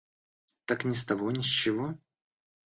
Так ни с того ни с чего?